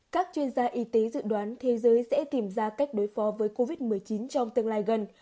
các chuyên gia y tế dự đoán thế giới sẽ tìm ra cách đối phó với covid một mươi chín trong tương lai gần